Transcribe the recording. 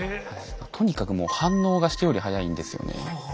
とにかくもう反応が人より速いんですよね。